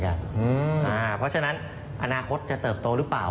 เพราะฉะนั้นอนาคตจะเติบโตหรือเปล่า